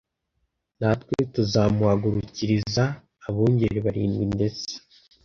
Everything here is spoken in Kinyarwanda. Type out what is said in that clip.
natwe tuzamuhagurukiriza abungeri barindwi ndetse